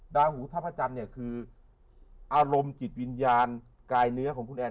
ราหูท่าพระจันทร์เนี่ยคืออารมณ์จิตวิญญาณกายเนื้อของคุณแอน